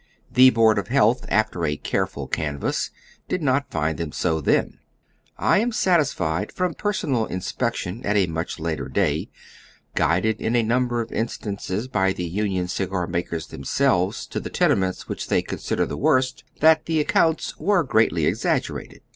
The Board of Health, after a careful canvass, did not find them so then. I am satisfied from personal inspection, at a much later day, guided in a number of instances by the union cigar makers themselves to the tenements which they consid ered the worst, that tlie accounts were greatly exagger ated.